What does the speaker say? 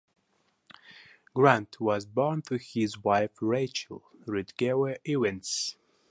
Grant, was born to his wife Rachel Ridgeway Ivins.